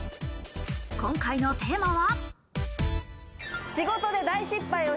今回のテーマは。